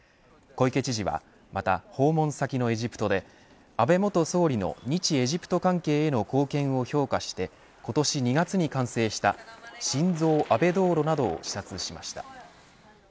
小池知事は、また訪問先のエジプトで安倍元総理の日エジプト関係の貢献を評価して今年２月に完成したシンゾウ・アベ道路などを視察しました。